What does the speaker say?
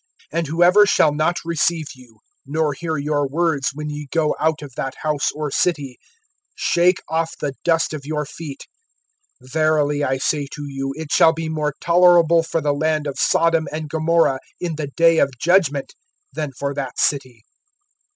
(14)And whoever shall not receive you, nor hear your words, when ye go out of that house or city, shake off the dust of your feet. (15)Verily I say to you, it shall be more tolerable for the land of Sodom and Gomorrah in the day of judgment, than for that city.